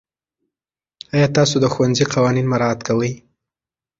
آیا تاسو د ښوونځي قوانین مراعات کوئ؟